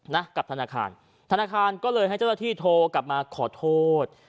นะกับธนาคารธนาคารก็เลยให้เจ้าหน้าที่โทรกลับมาขอโทษ